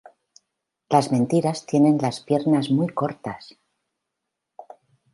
Las mentiras tienen las piernas muy cortas